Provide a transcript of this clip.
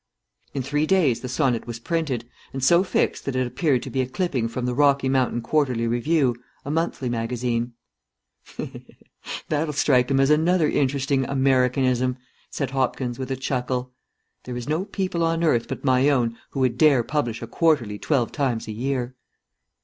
In three days the sonnet was printed, and so fixed that it appeared to be a clipping from the Rocky Mountain Quarterly Review, a Monthly Magazine. "That'll strike him as another interesting Americanism," said Hopkins, with a chuckle. "There is no people on earth but my own who would dare publish a quarterly twelve times a year."